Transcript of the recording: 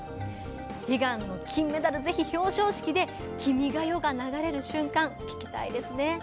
悲願の金メダル、ぜひ表彰式で「君が代」が流れる瞬間聞きたいですね。